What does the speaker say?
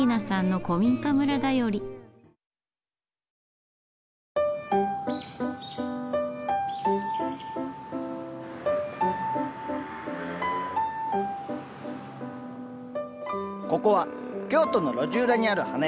ここは京都の路地裏にある花屋「陽だまり屋」。